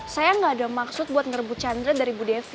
saya nggak ada maksud buat ngerebut chandra dari bu devi